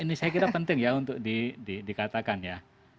ini saya kira penting ya untuk dikatakan ya